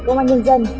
công an nhân dân